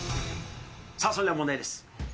さあ、それでは問題です。